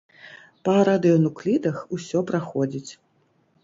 Па радыенуклідах усё праходзіць.